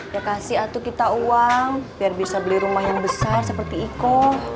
ya kasih atau kita uang biar bisa beli rumah yang besar seperti iko